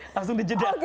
langsung di jeda